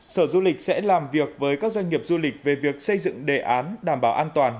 sở du lịch sẽ làm việc với các doanh nghiệp du lịch về việc xây dựng đề án đảm bảo an toàn